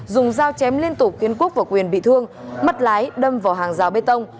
dùng dao chém liên tục khiến quốc và quyền bị thương mất lái đâm vào hàng rào bê tông